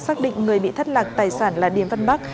xác định người bị thất lạc tài sản là điềm văn bắc